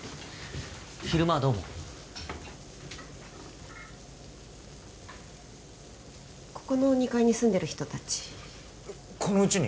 昼間はどうもここの二階に住んでる人達このうちに！？